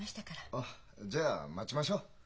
あっじゃあ待ちましょう。